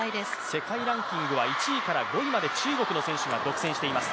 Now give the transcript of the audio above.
世界ランキングは１位から５位まで中国の選手が独占しています。